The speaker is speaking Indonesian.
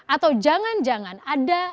atau jangan jangan ada